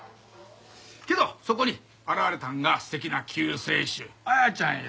けどそこに現れたんが素敵な救世主彩ちゃんや。